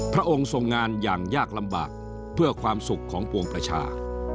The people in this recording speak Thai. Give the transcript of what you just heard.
พระองค์ทรงงานอย่างยากลำบากเพื่อความสุขของปวงประชา